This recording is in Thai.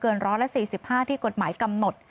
เกินร้อนและ๔๕ที่กฎหมายกำหนด